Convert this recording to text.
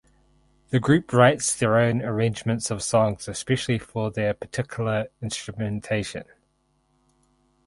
The group writes their own arrangements of songs especially for their particular instrumentation.